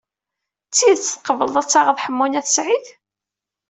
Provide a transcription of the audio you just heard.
D tidet tqebleḍ ad taɣeḍ Ḥemmu n At Sɛid?